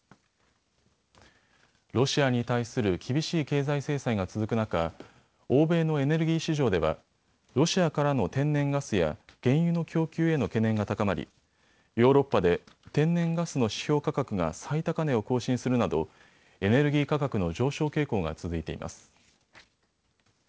ロシアに対する厳しい経済制裁が続く中、欧米のエネルギー市場ではロシアからの天然ガスや原油の供給への懸念が高まりヨーロッパで天然ガスの指標価格が最高値を更新するなどエネルギー価格の上昇傾向が続いています。